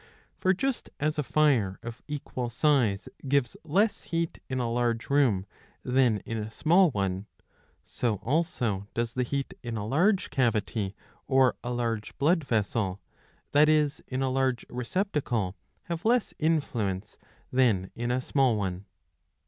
^3 For just as a fire of equal size gives less heat in a large room than in a small one, so also does the heat in a large cavity or a large blood vessel, that is in a large receptacle, have less influence than in a small one.